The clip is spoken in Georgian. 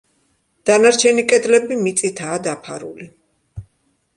დანარჩენი კედლები მიწითაა დაფარული.